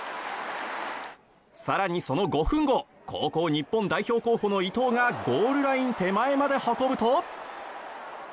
更にその５分後高校日本代表候補のイトウがゴールライン手前まで運ぶと。